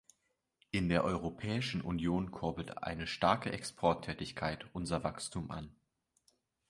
In der Europäischen Union kurbelt eine starke Exporttätigkeit unser Wachstum an.